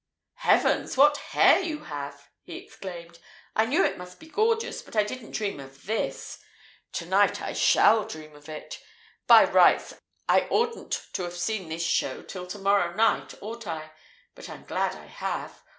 "Heavens, what hair you have!" he exclaimed. "I knew it must be gorgeous, but I didn't dream of this. To night I shall dream of it! By rights, I oughtn't to have seen this show till to morrow night, ought I? But I'm glad I have.